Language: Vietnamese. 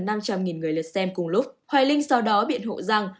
trong khi có gần năm trăm linh người lượt xem cùng lúc hoài linh sau đó biện hộ rằng